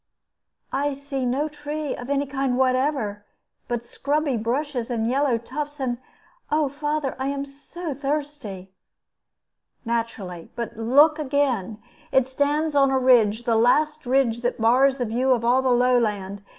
"I see no tree of any kind whatever, but scrubby bushes and yellow tufts; and oh, father, I am so thirsty!" "Naturally. But now look again. It stands on a ridge, the last ridge that bars the view of all the lowland.